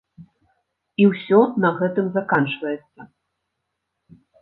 І ўсё на гэтым заканчваецца.